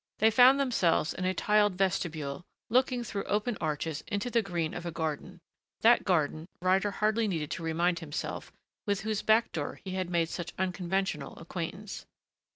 They found themselves in a tiled vestibule, looking through open arches into the green of a garden that garden, Ryder hardly needed to remind himself, with whose back door he had made such unconventional acquaintance.